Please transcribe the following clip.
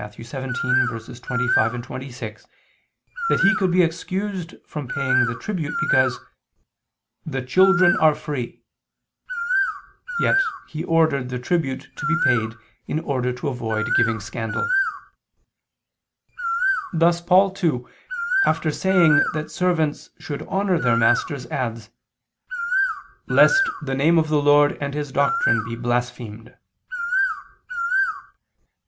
17:25, 26) that He could be excused from paying the tribute, because "the children are free," yet He ordered the tribute to be paid in order to avoid giving scandal. Thus Paul too, after saying that servants should honor their masters, adds, "lest the name of the Lord and His doctrine be blasphemed."